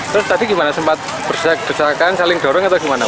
terus tadi gimana sempat berdesak desakan saling dorong atau gimana